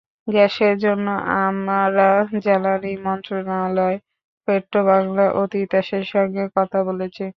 গ্যাসের জন্য আমরা জ্বালানি মন্ত্রণালয়, পেট্রোবাংলা ও তিতাসের সঙ্গে কথা বলেছি।